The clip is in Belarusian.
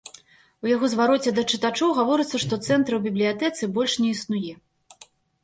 У яго звароце да чытачоў гаворыцца, што цэнтра ў бібліятэцы больш не існуе.